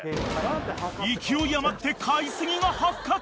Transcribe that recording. ［勢い余って買い過ぎが発覚］